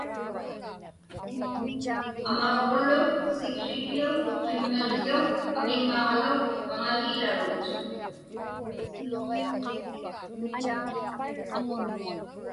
Amaġuġlu siksriġḷu qimmiġḷu aviŋŋaġlu paŋalillarut.